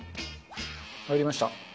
入りました。